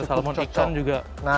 salmon ikan juga cukup cocok